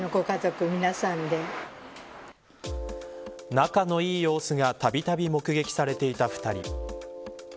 仲のいい様子がたびたび目撃されていた２人。